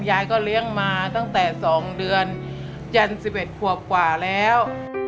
ยายก็เลี้ยงมาตั้งแต่๒เดือนจันทร์๑๑ขวบกว่าแล้ว